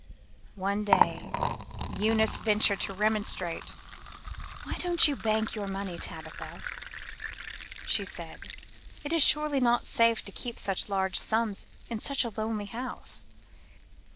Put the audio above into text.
One day Eunice ventured to remonstrate. "Why don't you bank your money, Tabitha?" she said; "it is surely not safe to keep such large sums in such a lonely house."